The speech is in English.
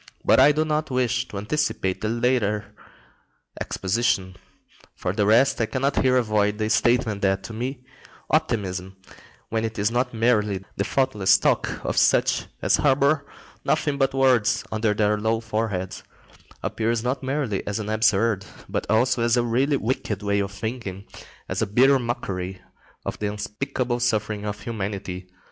But I do not wish to anticipate the later exposition. For the rest, I cannot here avoid the statement that, to me, optimism, when it is not merely the thoughtless talk of such as harbour nothing but words under their low foreheads, appears not merely as an absurd, but also as a really wicked way of thinking, as a bitter mockery of the unspeakable suffering of humanity.